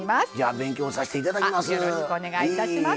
勉強させていただきます。